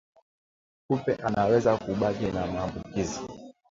Kupe anaweza kubaki na maambukizi